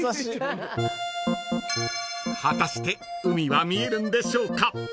［果たして海は見えるんでしょうか］